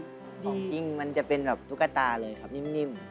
ของจริงมันจะเป็นแบบตุ๊กตาเลยครับนิ่ม